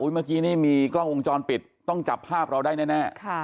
เมื่อกี้นี่มีกล้องวงจรปิดต้องจับภาพเราได้แน่